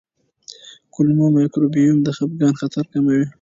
کولمو مایکروبیوم د خپګان خطر کموي.